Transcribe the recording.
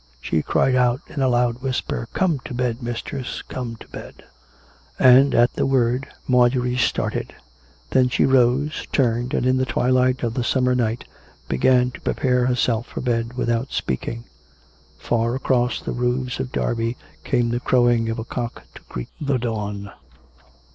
She cried out in a loud whisper :" Come to bed, mistress; come to bed." COME RACK! COME ROPE! 245 And, at the word, Marjorie started; then she rose, turned, and in the twilight of the summer night began to prepare herself for bed, without speaking. Far away across the roofs of Derby came the crowing of a cock to greet the dawn.